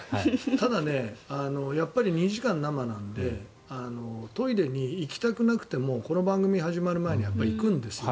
ただやっぱり２時間生なんでトイレに行きたくなくてもこの番組が始まる前には行くんですよ。